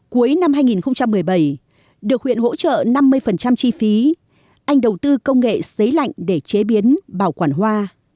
cuối năm hai nghìn một mươi bảy được huyện hỗ trợ năm mươi chi phí anh đầu tư công nghệ xế lạnh để chế biến bảo quản hoa